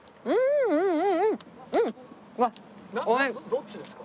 どっちですか？